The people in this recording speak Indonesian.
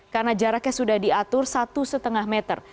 karena jaraknya sudah diatur satu lima meter